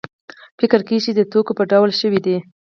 فکر کېږي چې د ټوکو په ډول شوې دي.